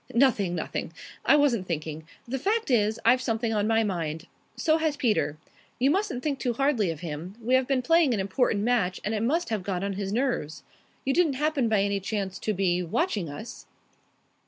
"Nothing, nothing. I wasn't thinking. The fact is, I've something on my mind. So has Peter. You mustn't think too hardly of him. We have been playing an important match, and it must have got on his nerves. You didn't happen by any chance to be watching us?"